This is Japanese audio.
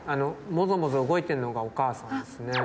モゾモゾ動いてるのがお母さんですね。